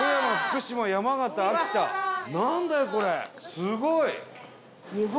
すごい！